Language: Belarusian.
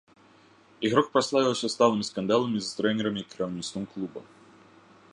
Ігрок праславіўся сталымі скандаламі з трэнерамі і кіраўніцтвам клуба.